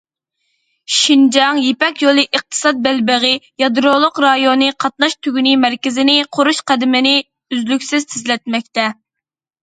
شىنجاڭ يىپەك يولى ئىقتىساد بەلبېغى يادرولۇق رايونى قاتناش تۈگۈنى مەركىزىنى قۇرۇش قەدىمىنى ئۈزلۈكسىز تېزلەتمەكتە.